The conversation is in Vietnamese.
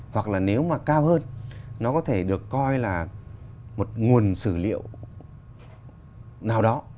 hoặc là nếu mà cao hơn nó có thể được coi là một nguồn sử liệu nào đó